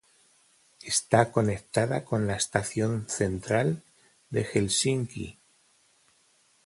Está conectada con la Estación Central de Helsinki.